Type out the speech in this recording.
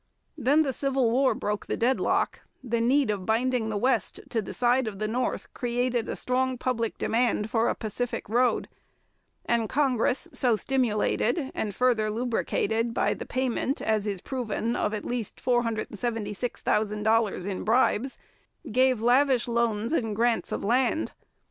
Then the Civil War broke the deadlock: the need of binding the West to the side of the North created a strong public demand for a Pacific road, and Congress, so stimulated, and further lubricated by the payment, as is proven, of at least $476,000 in bribes, gave lavish loans and grants of land.